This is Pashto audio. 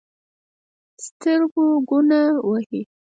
سترګکونه وهي